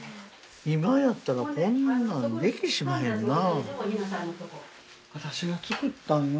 今やったらこんなんできしまへんな。